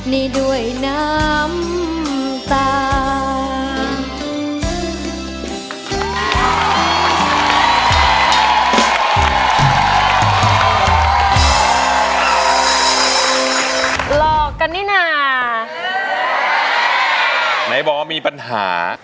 นี่ด้วยน้ำตา